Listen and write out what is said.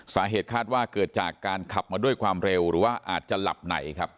สาเหตุคาดว่าเกิดจากการขับมาด้วยความเร็วหรือว่าอาจจะหลับไหนครับ